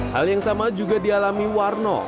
hal yang sama juga dialami warno